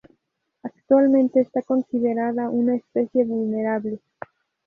Actualmente está considerada una especie vulnerable.